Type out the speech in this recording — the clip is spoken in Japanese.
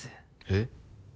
えっ？